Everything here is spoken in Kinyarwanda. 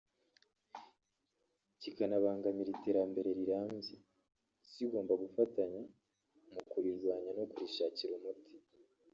kikanabangamira Iterambere rirambye […] Isi igomba gufatanya mu kurirwanya no kurishakira umuti